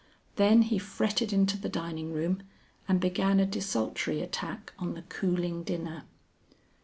Then he fretted into the dining room and began a desultory attack on the cooling dinner....